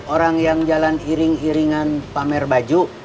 orang yang jalan iring iringan pamer baju